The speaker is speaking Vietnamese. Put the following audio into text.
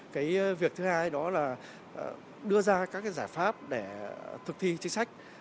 cái việc thứ hai đó là đưa ra các cái giải pháp để thực thi chính sách